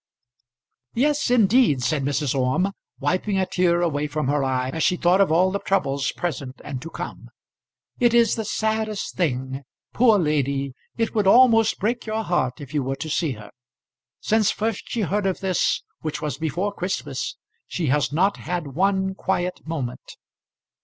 "Yes indeed," said Mrs. Orme, wiping a tear away from her eye as she thought of all the troubles present and to come. "It is the saddest thing. Poor lady! It would almost break your heart if you were to see her. Since first she heard of this, which was before Christmas, she has not had one quiet moment."